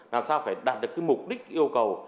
làm sao phải đạt được cái mục đích yêu cầu